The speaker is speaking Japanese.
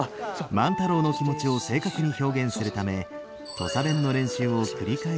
万太郎の気持ちを正確に表現するため土佐弁の練習を繰り返していました。